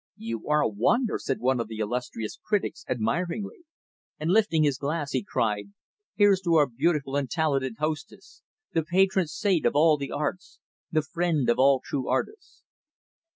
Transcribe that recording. "You are a wonder," said one of the illustrious critics, admiringly. And lifting his glass, he cried, "Here's to our beautiful and talented hostess the patron saint of all the arts the friend of all true artists."